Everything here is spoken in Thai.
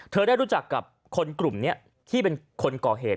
ได้รู้จักกับคนกลุ่มนี้ที่เป็นคนก่อเหตุ